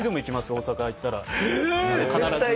大阪に行ったら必ず。